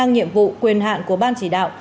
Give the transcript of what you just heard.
chức năng nhiệm vụ quyền hạn của ban chỉ đạo